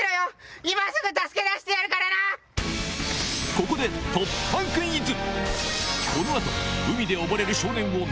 ここで突破クイズ！